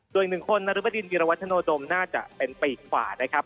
ส่วนอีกหนึ่งคนนรบดินวิรวัฒนโดมน่าจะเป็นปีกขวานะครับ